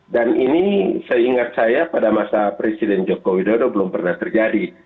ini seingat saya pada masa presiden joko widodo belum pernah terjadi